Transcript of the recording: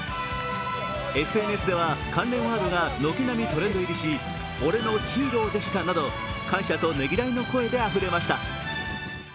ＳＮＳでは関連ワードが軒並みトレンド入りし俺のヒーローでしたなど感謝とねぎらいの声であふれました。